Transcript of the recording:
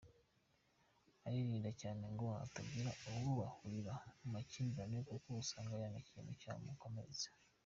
Aririnda cyane ngo hatagira uwo bahurira mu makimbirane kuko usanga yanga ikintu cyamukomeretsa.